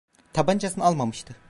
Tabancasını almamıştı.